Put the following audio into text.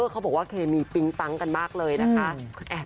เขาบอกว่าเคมีปิ๊งปั๊งกันมากเลยนะคะ